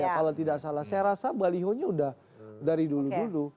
kalau tidak salah saya rasa balihonya sudah dari dulu dulu